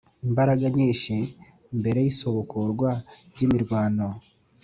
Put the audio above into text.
imbaraga nyinshi. mbere y'isubukurwa ry'imirwano,